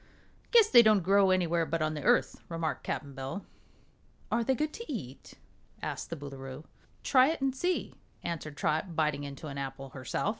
"Guess they don't grow anywhere but on the Earth," remarked Cap'n Bill. "Are they good to eat?" asked the Boolooroo. "Try it and see," answered Trot, biting into an apple herself.